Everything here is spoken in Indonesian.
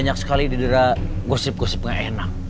banyak sekali di daerah gosip gosipnya enak